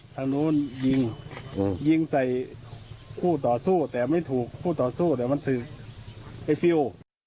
ทางนู้นยิงยิงใส่คู่ต่อสู้แต่ไม่ถูกคู่ต่อสู้เดี๋ยวมันถือไอ้ฟิล